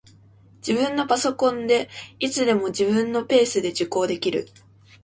自分のパソコンで、いつでも自分のペースで受講できる